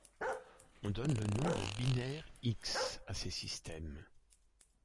On donne le nom de binaire X à ces systèmes.